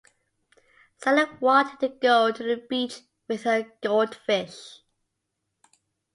Sally wanted to go to the beach with her goldfish.